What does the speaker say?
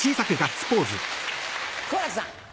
好楽さん。